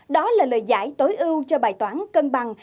đó là lời giải tối ưu cho bài toán cân bằng